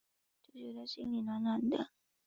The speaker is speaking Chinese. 就觉得心里暖暖的